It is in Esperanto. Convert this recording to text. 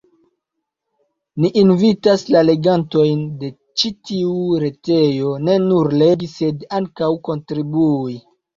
Ni invitas la legantojn de ĉi tiu retejo ne nur legi sed ankaŭ kontribui.